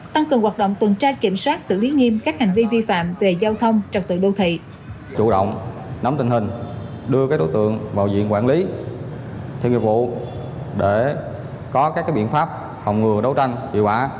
tăng cường hoạt động tuần tra kiểm soát xử lý nghiêm các hành vi vi phạm về giao thông trật tự đô thị